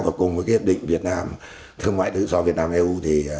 và cùng với hiệp định thương mại tự do việt nam eu